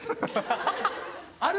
あれ？